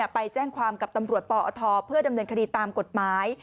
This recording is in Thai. ไปแจ้งความกับตำรวจปอทเพื่อดำเนินคดีตามกฎหมาย